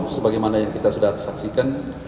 sebagaimana yang kita sudah saksikan